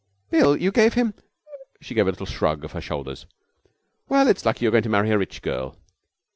'Bill! You gave him ' She gave a little shrug of her shoulders. 'Well, it's lucky you're going to marry a rich girl.'